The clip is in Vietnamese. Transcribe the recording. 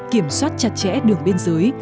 kiểm soát chặt chẽ đường bên dưới